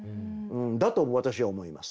だと私は思います。